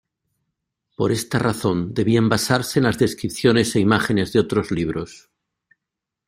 Por esta razón debían basarse en las descripciones e imágenes de otros libros.